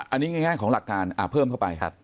อันนี้ง่ายของหลักการเพิ่มเข้าไป